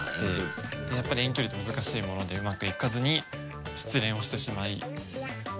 やっぱり遠距離って難しいものでうまくいかずに失恋をしてしまい。